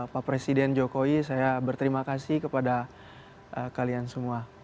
pak presiden jokowi saya berterima kasih kepada kalian semua